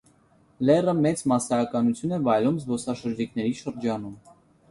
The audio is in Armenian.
Լեռը մեծ մասայականություն է վայելում զբոսաշրջիկների շրջանում։